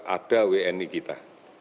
ada wni kita